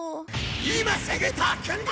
今すぐ特訓だ！